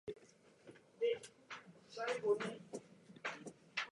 加茂川にそって上流にいくと、